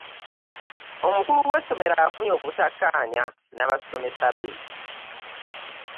Omukulu w'essomero afunye obutakaanya n'abasomesa be.